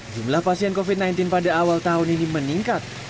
jumlah pasien covid sembilan belas pada awal tahun ini meningkat